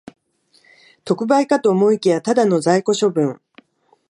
特売かと思いきや、ただの在庫処分